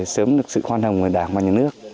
sớm được sự khoan hồng của đảng và nhà nước